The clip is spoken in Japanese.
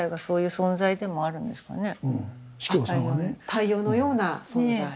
太陽のような存在。ね。